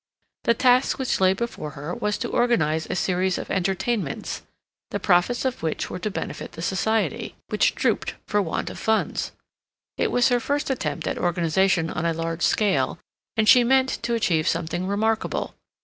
The task which lay before her was to organize a series of entertainments, the profits of which were to benefit the society, which drooped for want of funds. It was her first attempt at organization on a large scale, and she meant to achieve something remarkable.